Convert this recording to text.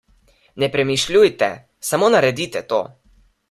Ne premišljujte, samo naredite to.